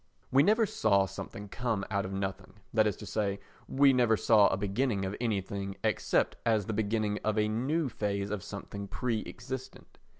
We never saw something come out of nothing, that is to say, we never saw a beginning of anything except as the beginning of a new phase of something pre existent.